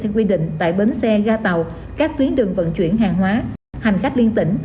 theo quy định tại bến xe ga tàu các tuyến đường vận chuyển hàng hóa hành khách liên tỉnh